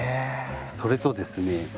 それとですね